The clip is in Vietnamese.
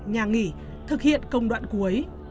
nhà nghỉ thực hiện công đoạn cuối